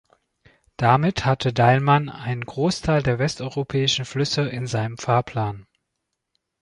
Damit hatte Deilmann einen Großteil der westeuropäischen Flüsse in seinem Fahrplan.